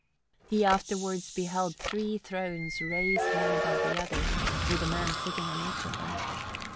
He afterwards beheld three thrones raised one above another, with a man sitting on each of them.